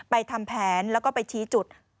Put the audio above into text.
ทำแผนแล้วก็ไปชี้จุด